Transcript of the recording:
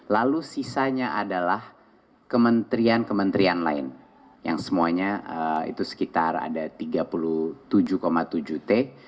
lalu sisanya adalah kementerian kementerian lain yang semuanya itu sekitar ada tiga puluh tujuh tujuh t